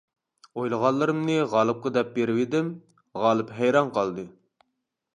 ئويلىغانلىرىمنى غالىپقا دەپ بېرىۋىدىم، غالىپ ھەيران قالدى.